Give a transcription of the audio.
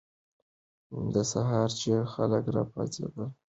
سهار چې خلک راپاڅېدل، هکي اریان ودرېدل.